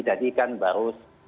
tadi kan baru